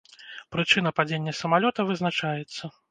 Прычына падзення самалёта вызначаецца.